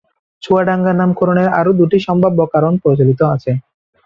চুয়াডাঙ্গা নামকরণের আরও দুটি সম্ভাব্য কারণ প্রচলিত আছে।